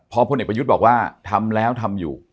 พอพลเอกประยุทธ์บอกว่าทำแล้วทำอยู่